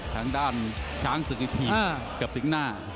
ลังกิร์มหลังช้างศึกทีบสิกทึกหน้า